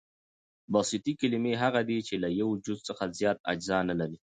بسیطي کلیمې هغه دي، چي له یوه جز څخه زیات اجزا نه لري.